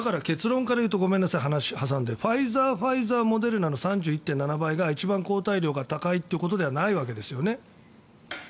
結論から言うとファイザー、ファイザーモデルナの３１．７倍が一番抗体量が高いということではないわけですよね。